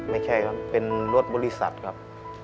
ไม่ใช่ครับเป็นรถบริษัทครับ